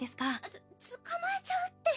ちょっつかまえちゃうって。